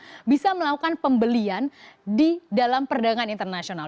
sebuah mata uang bisa melakukan pembelian di dalam perdagangan internasional